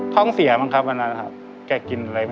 ท้องเสียบ้างครับวันนั้นครับแกกินอะไรบ้าง